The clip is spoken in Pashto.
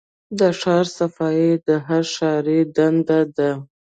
د ښار صفايي د هر ښاري دنده ده.